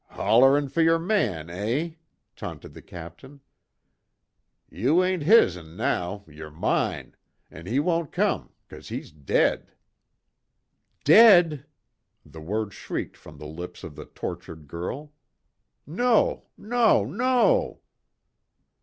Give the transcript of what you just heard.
"Hollerin' fer yer man, eh," taunted the Captain, "Ye ain't his'n now, yer mine an' he won't come cause he's dead " "Dead!" The word shrieked from the lips of the tortured girl, "No, no, no!"